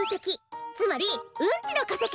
つまりうんちのかせき！